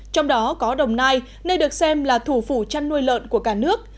trong đó có đồng nai nơi được xem là thủ phủ chăn nuôi lợn của cả nước